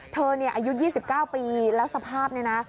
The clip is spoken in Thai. อายุ๒๙ปีแล้วสภาพนี้นะ